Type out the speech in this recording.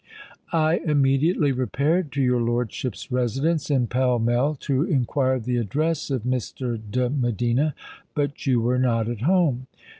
I immediately repaired to your lordship's residence in Pall Mall to inquire the address of Mr. de Medina; but you were not at home.